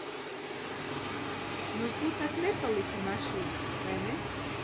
Nu, tu tak nepaliki mašīnā, vai ne?